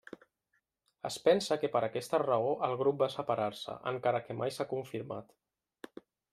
Es pensa que per aquesta raó el grup va separar-se, encara que mai s'ha confirmat.